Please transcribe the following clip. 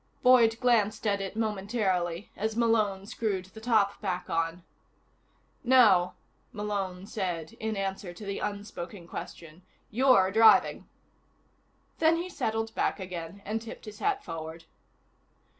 Boyd glanced at it momentarily as Malone screwed the top back on. "No," Malone said in answer to the unspoken question. "You're driving." Then he settled back again and tipped his hat forward.